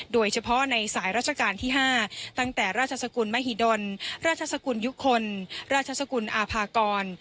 โดยเฉพาะในสายราชการที่๕ตั้งแต่ราชสกุลมหิดลราชสกุลยุคลราชสกุลอาภากร